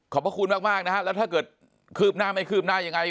พระคุณมากนะฮะแล้วถ้าเกิดคืบหน้าไม่คืบหน้ายังไง